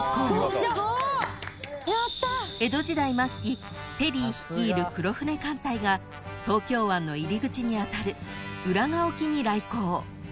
［江戸時代末期ペリー率いる黒船艦隊が東京湾の入り口にあたる浦賀沖に来航］